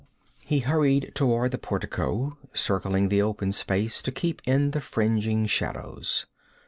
He hurried toward the portico, circling the open space to keep in the fringing shadows.